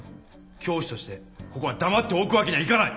教師としてここは黙っておくわけにはいかない。